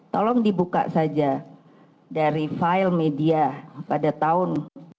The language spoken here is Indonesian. tolong dibuka saja dari file media pada tahun